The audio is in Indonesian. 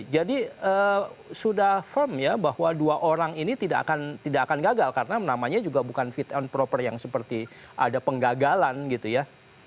jadi sudah firm ya bahwa dua orang ini tidak akan gagal karena namanya juga bukan fit and proper yang seperti ada penggagalan gitu ya